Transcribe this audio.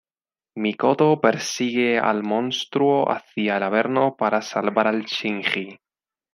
Mikoto persigue al monstruo hacia el averno, para salvar a Shinji.